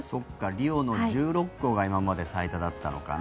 リオの１６個が今まで最多だったのかな。